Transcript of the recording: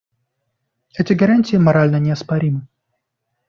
Эти гарантии морально неоспоримы.